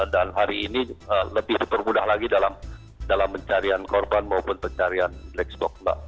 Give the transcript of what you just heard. dan hari ini lebih dipermudah lagi dalam mencarian korban maupun pencarian black box